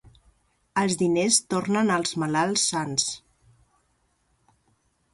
Els diners tornen els malalts sans.